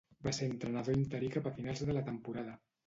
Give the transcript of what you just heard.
Va ser entrenador interí cap a finals de la temporada.